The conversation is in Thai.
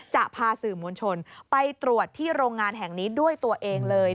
จะพาสื่อมวลชนไปตรวจที่โรงงานแห่งนี้ด้วยตัวเองเลย